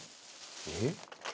「えっ？」